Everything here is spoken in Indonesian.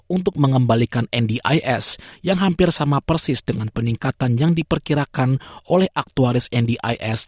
untuk mengembalikan ndis yang hampir sama persis dengan peningkatan yang diperkirakan oleh aktuaris ndis